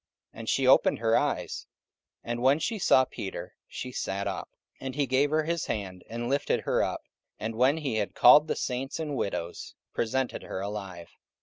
And she opened her eyes: and when she saw Peter, she sat up. 44:009:041 And he gave her his hand, and lifted her up, and when he had called the saints and widows, presented her alive.